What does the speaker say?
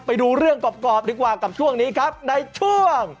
ไปดูเรื่องกรอบดีกว่ากับช่วงนี้ครับในช่วง